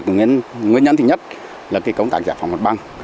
nguyên nhân thứ nhất là cái công tác giải phóng mật băng